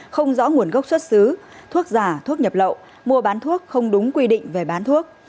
không rõ nguồn gốc xuất xứ thuốc giả thuốc nhập lậu mua bán thuốc không đúng quy định về bán thuốc